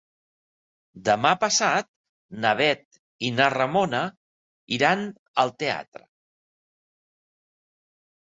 Demà passat na Bet i na Ramona iran al teatre.